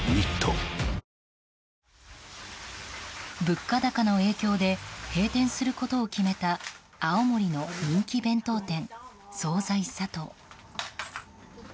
物価高の影響で閉店することを決めた青森の人気弁当店惣菜さとう。